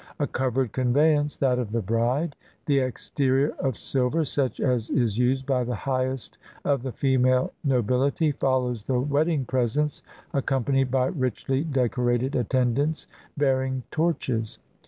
A covered conveyance, — that of the bride, — the exterior of silver, such as is used by the highest of the female nobihty, follows the wedding presents, accompanied by richly decorated attendants bearing torches.